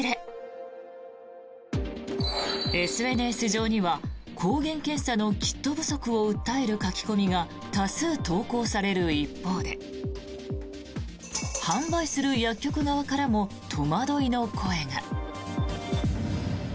ＳＮＳ上には抗原検査のキット不足を訴える書き込みが多数投稿される一方で販売する薬局側からも戸惑いの声が。